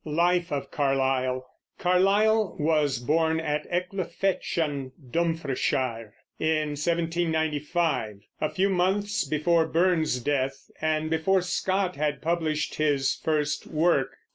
LIFE OF CARLYLE. Carlyle was born at Ecclefechan, Dumfriesshire, in 1795, a few months before Burns's death, and before Scott had published his first work.